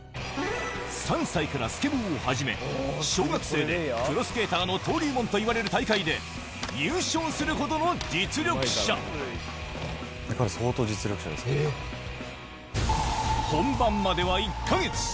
３歳からスケボーを始め、小学生でプロスケーターの登竜門といわれる大会で優勝するほどの彼、本番までは１か月。